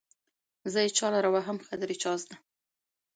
زه يې چالره وهم قدر يې چازده